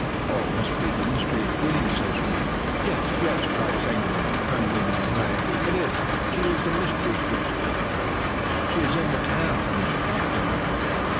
"It must be the Mystery Queen," says one. "Yes, yes!" cries Seguin, in trembling anxiety; "it is; she is the Mystery Queen." "She is in the town, then," adds another.